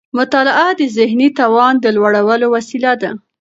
مطالعه د ذهني توان د لوړولو وسيله ده.